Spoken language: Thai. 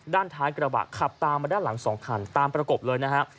ด้านท้ายกระบะขับตามมาด้านหลัง๒คันตามประกบเลยนะฮะ